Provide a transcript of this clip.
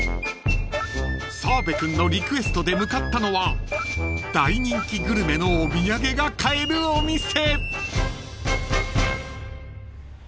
［澤部君のリクエストで向かったのは大人気グルメのお土産が買えるお店］